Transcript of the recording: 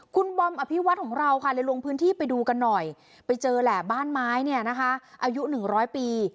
คุณบอมอภิวัติของเราในโรงพื้นที่ไปดูกันหน่อยไปเจอแหละบ้านไม้อายุหนึ่งร้อยปี